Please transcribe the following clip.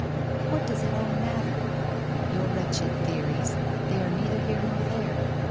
What does it all mat ter? Your wretched theories — they are neither nere nor there.